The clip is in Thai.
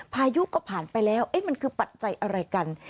พายุก็ผ่านไปแล้วมันคือปัจจัยอะไรกัน